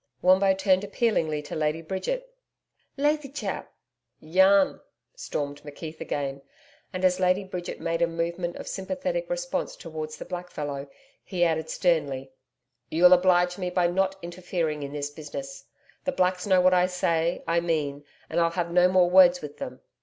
Wombo turned appealingly to Lady Bridget. 'Lathychap!' 'YAN,' stormed McKeith again, and, as Lady Bridget made a movement of sympathetic response towards the black fellow, he added sternly: 'You'll oblige me by not interfering in this business. The Blacks know that what I say, I mean, and I'll have no more words with them.'